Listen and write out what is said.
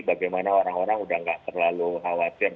bagaimana orang orang udah nggak terlalu khawatir